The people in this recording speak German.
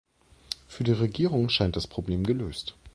Für die Regierung scheint das Problem gelöst.